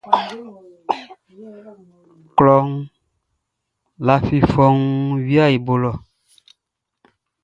Kloʼn lafi fɔuun viaʼn i bo lɔ.